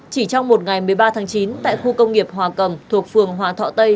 chỉ trong một ngày một mươi ba tháng chín tại khu công nghiệp hòa cầm thuộc phường hòa thọ tây